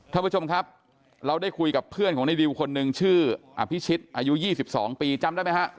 ท่านผู้ชมครับเราได้คุยกับเพื่อนของในดิวคนหนึ่งชื่ออภิชิตอายุ๒๒ปีจำได้ไหมฮะ